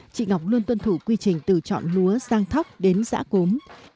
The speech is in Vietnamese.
chị ngọc luôn tuân thủ quy trình từ chọn lúa rang thóc đến giã cốm